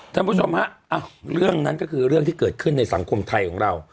ท่านผู้ชมฮะเรื่องนั้นก็คือเรื่องที่เกิดขึ้นในสังคมไทยของเรา